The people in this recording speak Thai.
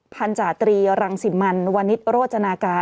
พันธาตรีรังสิมันวันนี้โรจนาการ